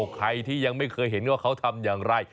ใครที่ยังไม่เคยเห็นว่าเขาทำอย่างไร